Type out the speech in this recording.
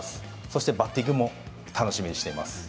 そしてバッティングも楽しみにしています。